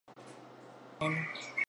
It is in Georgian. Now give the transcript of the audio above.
გაიყარნენ